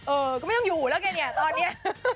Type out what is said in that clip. เออก็ไม่ต้องอยู่แล้วแกเนี่ยตอนนี้